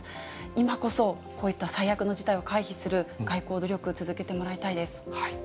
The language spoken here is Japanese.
今こそ、こういった最悪の事態を回避する外交努力を続けてもらいたいです。